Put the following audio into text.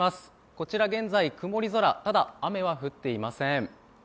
こちら現在、曇り空、ただ、雨は降っていません。